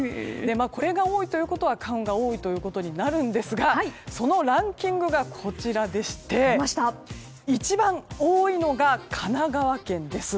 これが多いということは花粉が多いことになるんですがそのランキングがこちらでして一番多いのが神奈川県です。